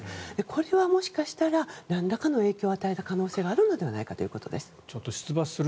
これはもしかしたらなんらかの影響を与えた可能性があるのではないかということです。